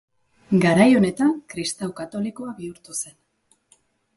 Garai honetan kristau katolikoa bihurtu zen.